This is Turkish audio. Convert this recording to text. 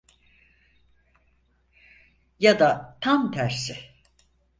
Ya da tam tersi.